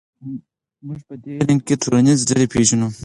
موږ په دې علم کې ټولنیزې ډلې پېژنو.